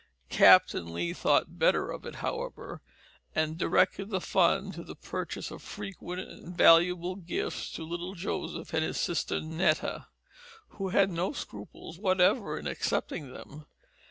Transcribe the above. Captain Lee thought better of it, however, and directed the fund to the purchase of frequent and valuable gifts to little Joseph and his sister Netta, who had no scruples whatever in accepting them.